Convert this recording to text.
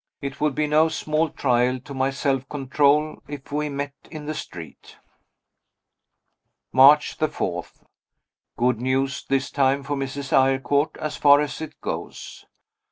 It would be no small trial to my self control if we met in the street. March 4. Good news this time for Mrs. Eyrecourt, as far as it goes.